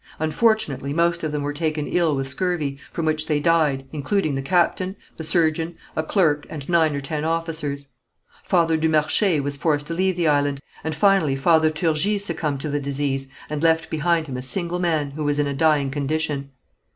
Unfortunately, most of them were taken ill with scurvy, from which they died, including the captain, the surgeon, a clerk and nine or ten officers. Father du Marché was forced to leave the island, and finally Father Turgis succumbed to the disease, and left behind him a single man, who was in a dying condition.